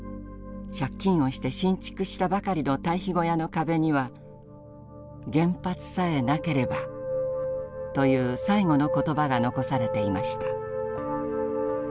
借金をして新築したばかりの堆肥小屋の壁には「原発さえなければ」という最期の言葉が残されていました。